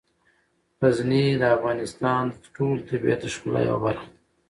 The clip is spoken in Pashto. غزني د افغانستان د ټول طبیعت د ښکلا یوه برخه ده.